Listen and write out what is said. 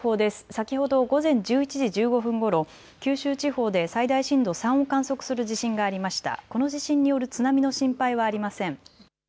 先ほど午前１１時１５分ごろ、九州地方で最大震度３を観測する地震がありました。